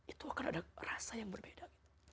itu akan ada rasa yang berbeda